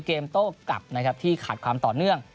เกมโต๊ะกลับที่ขาดความต่อเนื่อง